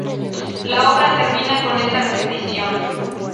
La obra termina con esta repetición.